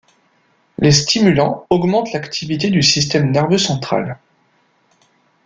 Les stimulants augmentent l'activité du système nerveux central.